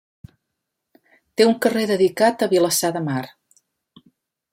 Té un carrer dedicat a Vilassar de Mar.